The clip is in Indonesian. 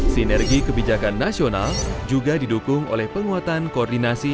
sinergi kebijakan nasional juga didukung oleh penguatan koordinasi